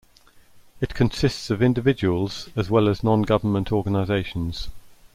It consists of individuals as well as other non-government organisations.